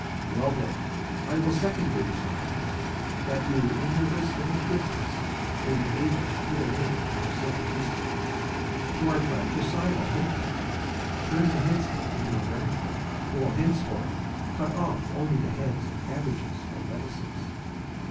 Well then, I will second your designs; that you, in your wisdom and goodness, may be able to put an end to our civil discord, to our fratricidal hate, turn the headsman into a gardener who will henceforth cut off only the heads of cabbages and lettuces.